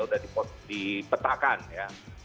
sudah dipetakan ya